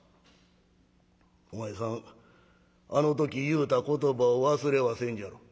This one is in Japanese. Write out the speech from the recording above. お前さんあの時言うた言葉を忘れはせんじゃろ。